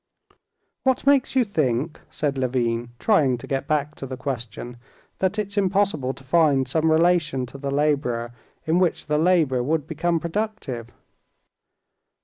"What makes you think," said Levin, trying to get back to the question, "that it's impossible to find some relation to the laborer in which the labor would become productive?"